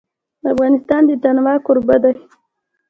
افغانستان د تنوع کوربه دی.